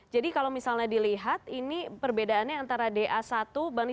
jadi kalau misalnya dilihat ini perbedaannya antara da satu